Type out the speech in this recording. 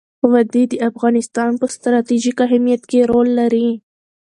وادي د افغانستان په ستراتیژیک اهمیت کې رول لري.